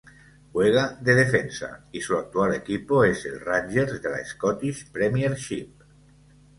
Juega de defensa y su actual equipo es el Rangers de la Scottish Premiership.